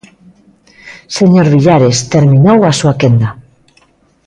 Señor Villares, terminou a súa quenda.